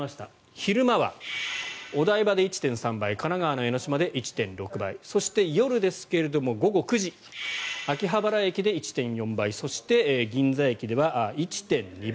昼間はお台場で１．３倍神奈川の江の島で１．６倍そして夜ですが、午後９時秋葉原駅で１．４倍そして、銀座駅では１．２倍。